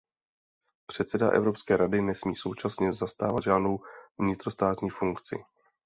Předseda Evropské rady nesmí současně zastávat žádnou vnitrostátní funkci.